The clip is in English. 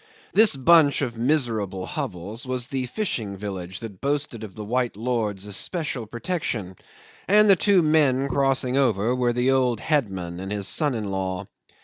This bunch of miserable hovels was the fishing village that boasted of the white lord's especial protection, and the two men crossing over were the old headman and his son in law.